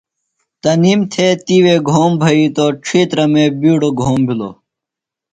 تنِم تھےۡ تِیوے گھوم بھئِیتوۡ۔ ڇِھیترہ مے بِیڈوۡ گھوم بِھلوۡ۔